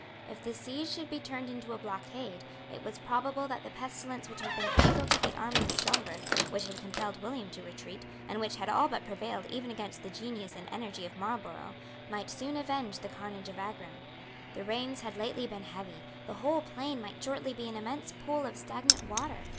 If the siege should be turned into a blockade, it was probable that the pestilence which had been fatal to the army of Schomberg, which had compelled William to retreat, and which had all but prevailed even against the genius and energy of Marlborough, might soon avenge the carnage of Aghrim. The rains had lately been heavy. The whole plain might shortly be an immense pool of stagnant water.